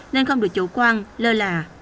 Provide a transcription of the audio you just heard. nên không được chủ quan lơ là